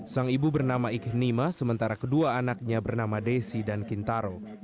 sang ibu bernama ikhnima sementara kedua anaknya bernama desi dan kintaro